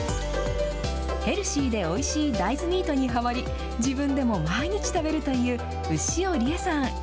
ヘルシーでおいしい大豆ミートにはまり、自分でも毎日食べるという、牛尾理恵さん。